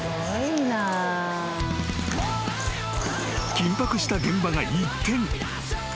［緊迫した現場が一転］